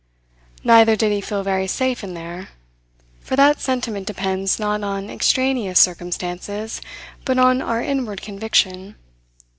Neither did he feel very safe in there; for that sentiment depends not on extraneous circumstances but on our inward conviction.